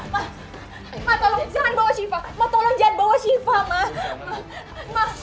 ma ma ma tolong jangan bawa syifa ma tolong jangan bawa syifa ma ma